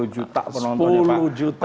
sepuluh juta penontonnya